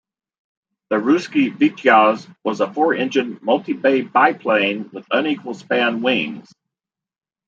The Russky Vityaz was a four-engine multi-bay biplane with unequal-span wings.